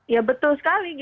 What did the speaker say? ya betul sekali